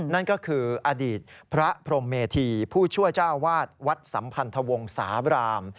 นั่นก็คืออดีตพระพรมเมธีผู้ช่วยเจ้าวาดวัดสัมพันธวงศาบราม